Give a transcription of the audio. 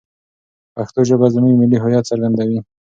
پښتو ژبه زموږ ملي هویت څرګندوي.